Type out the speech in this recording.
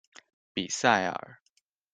比塞尔。